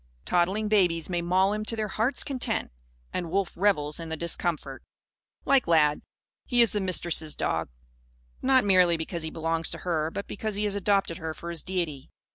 Toddling babies may maul him to their hearts' content; and Wolf revels in the discomfort. Like Lad, he is the Mistress' dog. Not merely because he belongs to her; but because he has adopted her for his deity.